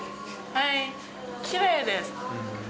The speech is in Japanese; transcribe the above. はいきれいです。